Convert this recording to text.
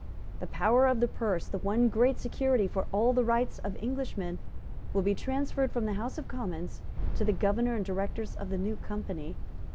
The power of the purse, the one great security for all the rights of Englishmen, will be transferred from the House of Commons to the Governor and Directors of the new Company.